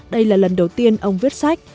đây là lần đầu tiên ông viết sách